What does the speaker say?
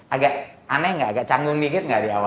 agak aneh nggak agak canggung dikit nggak di awal